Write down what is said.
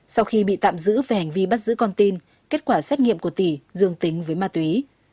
sau khi bị tạm giữ về hành vi bắt giữ con tin kết quả xét nghiệm của tỷ dương tính với ma túy